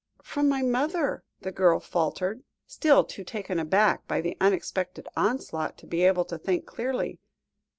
"From my mother," the girl faltered, still too taken aback by the unexpected onslaught, to be able to think clearly.